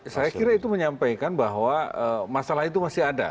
saya kira itu menyampaikan bahwa masalah itu masih ada